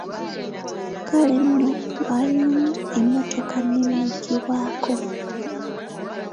Kale nno lwali lumu emmotoka neemuggibwako.